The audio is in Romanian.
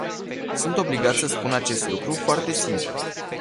Sunt obligat să spun acest lucru, foarte simplu.